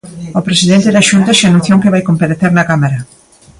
O presidente da Xunta xa anunciou que vai comparecer na cámara.